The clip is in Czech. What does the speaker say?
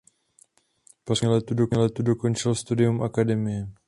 Po skončení letu dokončil studium akademie.